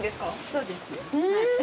そうです。